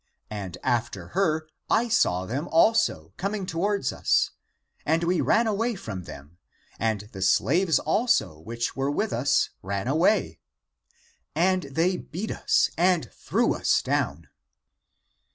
And after her I saw them also, coming towards us, and we ran away from them. And the slaves also, which were with us ran away. (And they) beat us, and threw us down.